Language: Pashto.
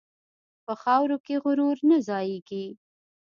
په خاورو کې غرور نه ځایېږي.